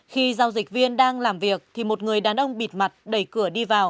khi giao dịch viên đang làm việc thì một người đàn ông bịt mặt đẩy cửa đi vào